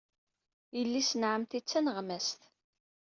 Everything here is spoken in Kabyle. Yelli-s n ɛemmti d taneɣmast.